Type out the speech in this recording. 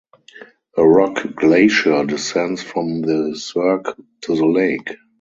A rock glacier descends from the cirque to the lake.